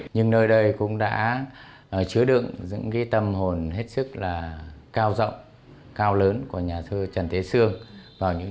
nhưng nơi đây cũng đã chứa được những cái tâm hồn hết sức là cao rộng cao lớn của nhà thơ trần thế xương vào những năm một nghìn chín trăm linh